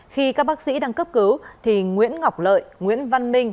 khi các bác sĩ đang cấp cứu thì nguyễn ngọc lợi nguyễn văn minh